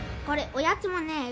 これおやつもね